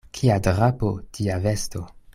Kia drapo, tia vesto.